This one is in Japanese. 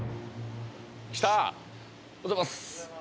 来たおはようございます！